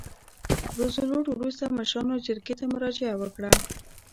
روزولټ وروسته مشرانو جرګې ته مراجعه وکړه.